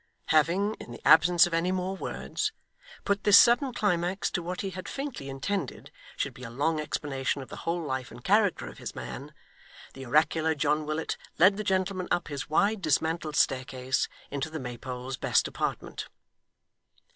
Having, in the absence of any more words, put this sudden climax to what he had faintly intended should be a long explanation of the whole life and character of his man, the oracular John Willet led the gentleman up his wide dismantled staircase into the Maypole's best apartment.